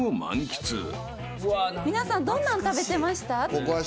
皆さんどんなん食べてました？